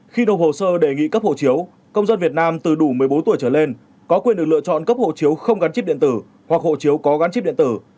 khi nộp hồ sơ đề nghị cấp hộ chiếu công dân việt nam từ đủ một mươi bốn tuổi trở lên có quyền được lựa chọn cấp hộ chiếu không gắn chip điện tử hoặc hộ chiếu có gắn chip điện tử